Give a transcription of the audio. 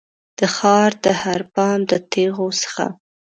د ښار د هر بام د تېغو څخه